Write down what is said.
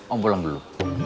om pulang dulu